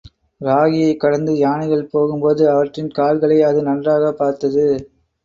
ராகியைக் கடந்து யானைகள் போகும் போது அவற்றின் கால்களை அது நன்றாகப் பார்த்தது.